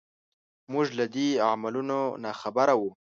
موږ له دې علومو ناخبره وو.